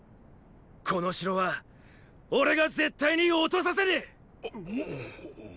この城は俺が絶対に落とさせねェ！！